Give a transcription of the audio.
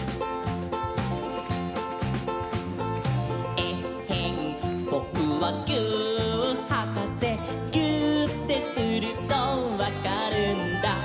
「えっへんぼくはぎゅーっはかせ」「ぎゅーってするとわかるんだ」